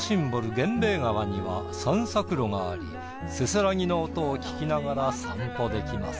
源兵衛川には散策路がありせせらぎの音を聞きながら散歩できます。